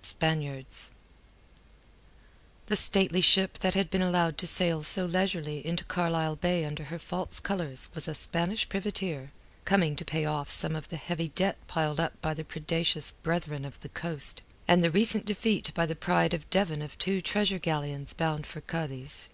SPANIARDS The stately ship that had been allowed to sail so leisurely into Carlisle Bay under her false colours was a Spanish privateer, coming to pay off some of the heavy debt piled up by the predaceous Brethren of the Coast, and the recent defeat by the Pride of Devon of two treasure galleons bound for Cadiz.